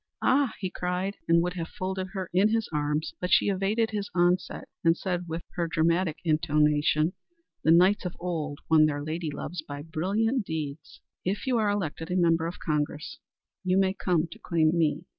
"Ah," he cried, and would have folded her in his arms, but she evaded his onset and said with her dramatic intonation, "The knights of old won their lady loves by brilliant deeds. If you are elected a member of Congress, you may come to claim me."